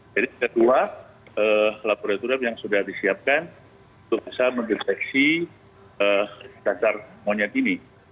jadi kedua laboratorium yang sudah disiapkan untuk bisa mendeteksi cacar munyat ini